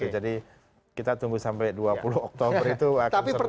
jadi kita tunggu sampai dua puluh oktober itu akan seru